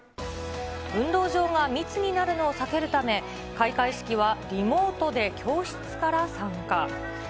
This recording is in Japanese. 運動場が密になるのを避けるため、開会式はリモートで教室から参加。